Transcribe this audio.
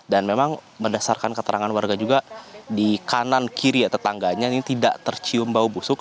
dan memang mendasarkan keterangan warga juga di kanan kiri tetangganya ini tidak tercium bau busuk